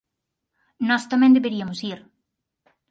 Nós tamén deberiamos ir.